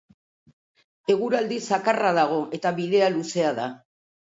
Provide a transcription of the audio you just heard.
Eguraldi zakarra dago eta bidea luzea da.